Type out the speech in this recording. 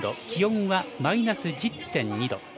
気温はマイナス１０．２度。